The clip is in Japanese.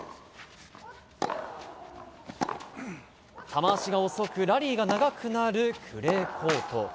球足が遅く、ラリーが長くなるクレーコート。